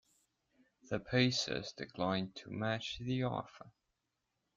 The Pacers declined to match the offer.